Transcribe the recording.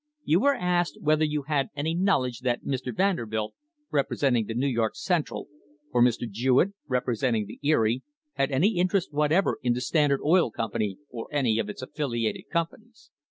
You were asked whether you had any knowledge that Mr. Vanderbilt, representing the New York Central, or Mr. Jewett, representing the Erie, had any interest whatever in the Standard Oil Company or any of its affiliated companies.